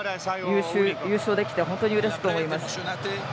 優勝できて本当にうれしく思います。